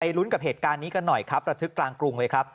ลุ้นกับเหตุการณ์นี้กันหน่อยครับระทึกกลางกรุงเลยครับ